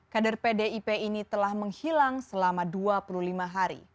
kader pdip ini telah menghilang selama dua puluh lima hari